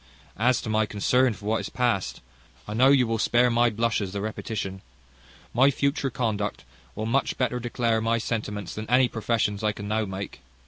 As to my concern for what is past, I know you will spare my blushes the repetition. My future conduct will much better declare my sentiments than any professions I can now make.